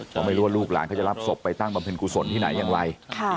เพราะไม่รู้ว่าลูกหลานเขาจะรับศพไปตั้งบำเพ็ญกุศลที่ไหนอย่างไร